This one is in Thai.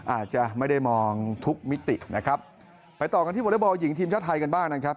อาจจะไม่ได้มองทุกมิตินะครับไปต่อกันที่วอเล็กบอลหญิงทีมชาติไทยกันบ้างนะครับ